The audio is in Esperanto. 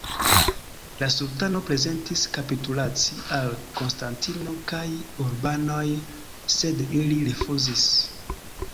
La sultano prezentis kapitulaci al Konstantino kaj urbanoj, sed ili rifuzis.